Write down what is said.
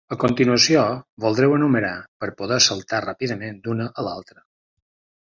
A continuació, voldreu enumerar per poder saltar ràpidament d'una a l'altra.